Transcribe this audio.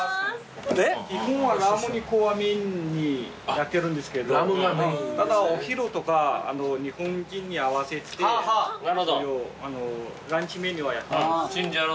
基本はラム肉をメインにやってるんですけどただお昼とか日本人に合わせてランチメニューはやってます。